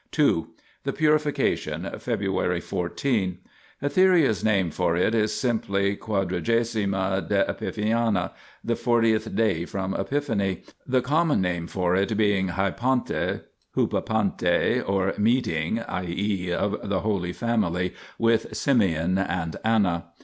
The Purification (Feb. 14). Etheria's name for it is simply quadragesimae de Epiphania (the fortieth day from E.), the common name for it being Hypa pante (vnanavzij, or meeting, i.e. of the Holy Family with Simeon and Anna).